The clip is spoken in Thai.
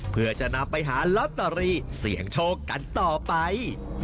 เพื่อจะนำไปหาลอตเตอรี่เสี่ยงโชคกันต่อไป